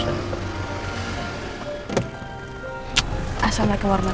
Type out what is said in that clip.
waalaikumsalam warahmatullahi wabarakatuh